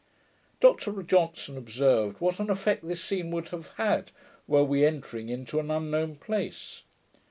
Dr Johnson observed what an effect this scene would have had, were we entering into an unknown place.